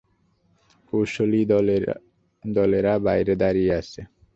কৌশলী দলেরা বাইরে দাঁড়িয়ে আছে।